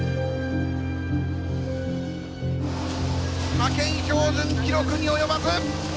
派遣標準記録に及ばず！